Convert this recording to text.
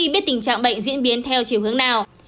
biết tình trạng bệnh diễn biến theo chiều hướng nào